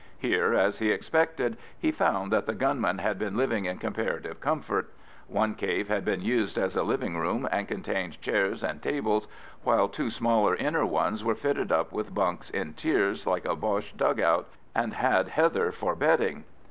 Here, as he expected, he found that the gunmen had been living in comparative comfort. One cave had been used as a living room and contained chairs and tables, while two smaller inner ones were fitted up with bunks in tiers like a Boche dug out, and had heather for bedding.